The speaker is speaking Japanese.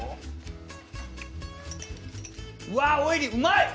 うわオイル、うまい！